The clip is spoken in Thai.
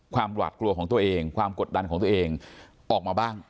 หวาดกลัวของตัวเองความกดดันของตัวเองออกมาบ้าง